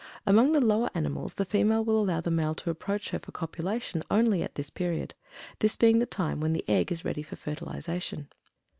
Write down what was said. Among the lower animals the female will allow the male to approach her for copulation only at this period, this being the time when the egg is ready for fertilization.